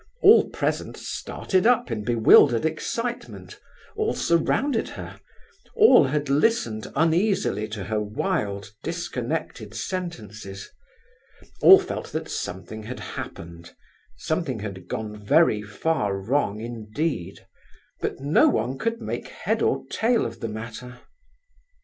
All present started up in bewildered excitement; all surrounded her; all had listened uneasily to her wild, disconnected sentences. All felt that something had happened, something had gone very far wrong indeed, but no one could make head or tail of the matter.